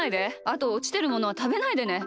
あとおちてるものはたべないでね。